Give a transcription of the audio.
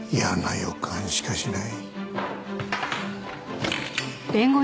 予感しかしない。